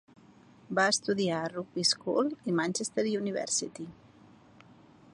Va estudiar a Rugby School i Manchester University.